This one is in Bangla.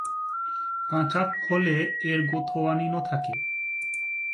কাঁচা ফলে এরগোথায়োনিন-ও থাকে।